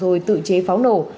rồi tự chế pháo nổ